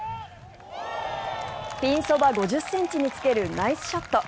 ピンそば５０ｃｍにつけるナイスショット。